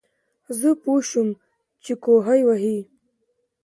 زۀ پوهه شوم چې کوهے وهي